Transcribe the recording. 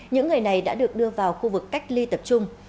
những người này đã được đưa vào khu vực cách ly tập trung